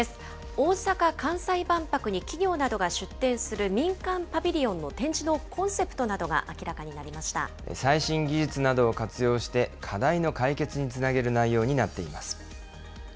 大阪・関西万博に企業などが出展する民間パビリオンの展示のコン最新技術などを活用して、課題の解決につなげる内容になっています。